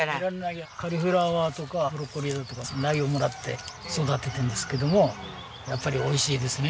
カリフラワーとかブロッコリーだとか苗をもらって育ててるんですけどもやっぱり美味しいですね。